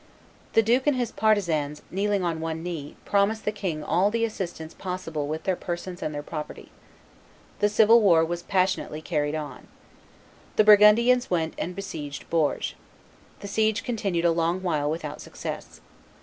The duke and his partisans, kneeling on one knee, promised the king all the assistance possible with their persons and their property. The civil war was passionately carried on. The Burgundians went and besieged Bourges. The siege continued a long while without success.